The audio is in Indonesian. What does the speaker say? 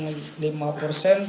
kemudian kepala daerahnya